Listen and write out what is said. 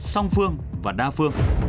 song phương và đa phương